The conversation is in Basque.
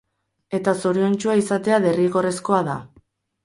Eta zoriontsua izatea derrigorrezkoa da.